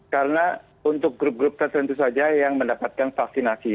karena untuk grup grup tertentu saja yang mendapatkan vaksinasi